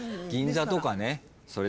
銀座とかね。